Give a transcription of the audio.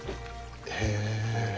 へえ。